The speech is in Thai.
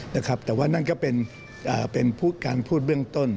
แต่ว่านั่นก็เป็นการพูดเบื้องต้น